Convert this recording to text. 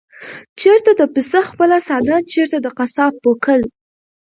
چېرته د پسه خپله ساه، چېرته د قصاب پوکل؟